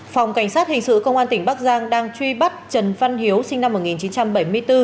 phòng cảnh sát hình sự công an tỉnh bắc giang đang truy bắt trần văn hiếu sinh năm một nghìn chín trăm bảy mươi bốn